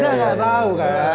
kita gak tau kan